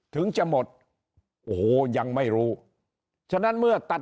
ถึงจะหมดโอ้โหยังไม่รู้ฉะนั้นเมื่อตัด